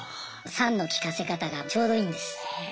酸の効かせ方がちょうどいいんです。